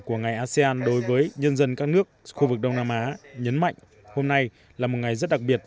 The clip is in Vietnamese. của ngày asean đối với nhân dân các nước khu vực đông nam á nhấn mạnh hôm nay là một ngày rất đặc biệt